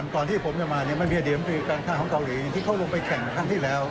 ก่อนที่ผมจะมามันมีอดีตมตรีการท่าของเกาหลีที่เขาลงไปแข่งครั้งที่แล้ว